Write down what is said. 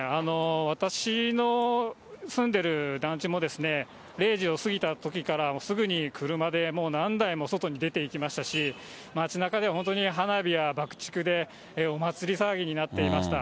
私の住んでる団地も、０時を過ぎたときから、すぐに車でもう何台も外に出ていきましたし、街なかでは本当に、花火や爆竹でお祭り騒ぎになっていました。